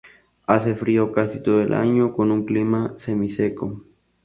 Hace frío casi todo el año con un clima semiseco.